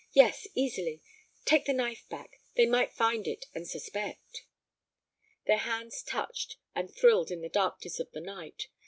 "Yes, easily. Take the knife back. They might find it, and suspect." Their hands touched and thrilled in the darkness of the night.